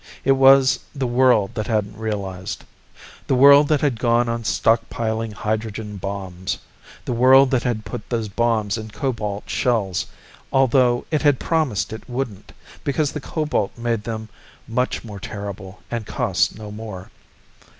It was the world that hadn't realized. The world that had gone on stockpiling hydrogen bombs. The world that had put those bombs in cobalt shells, although it had promised it wouldn't, because the cobalt made them much more terrible and cost no more.